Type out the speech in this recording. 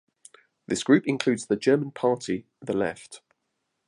This group includes the German party The Left.